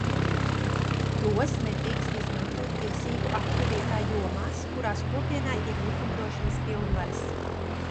Tos nedrīkst izmantot tiesību aktu vietā jomās, kurās Kopienai ir likumdošanas pilnvaras.